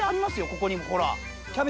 ここにもほら。